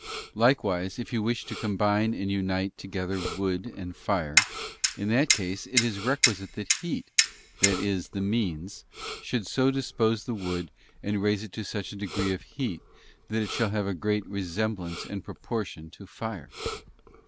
Likewise, if you wish to combine and unite _ together wood and fire, in that case, it is requisite that heat, that is the means, should so dispose the wood, and raise it to such a degree of heat that it shall have a great resemblance and proportion to fire.